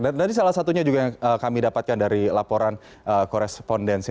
ini salah satunya yang kami dapatkan dari laporan korespondensi